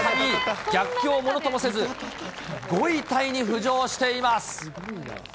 逆境をものともせず、５位タイに浮上しています。